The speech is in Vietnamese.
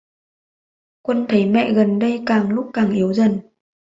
Quân thấy mẹ gần đây càng lúc càng yếu dần